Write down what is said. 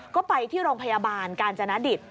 ก็ไปที่โรงพยาบาลกาญจนดิต